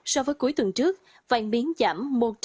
so với cuối tuần trước vàng biến giảm